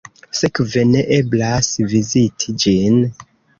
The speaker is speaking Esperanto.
Sekve ne eblas viziti ĝin.